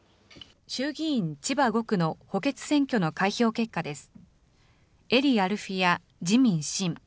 衆議院千葉５区の補欠選挙の開票結果です。